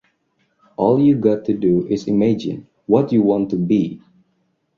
All you got to do is imagine what you want to be!